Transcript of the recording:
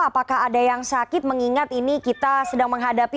apakah ada yang sakit mengingat ini kita sedang menghadapi